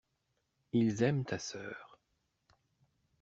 Ils aiment ta sœur.